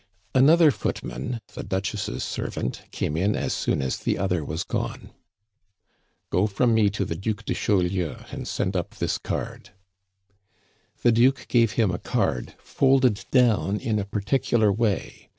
Another footman, the Duchess' servant, came in as soon as the other was gone. "Go from me to the Duc de Chaulieu, and send up this card." The Duke gave him a card folded down in a particular way.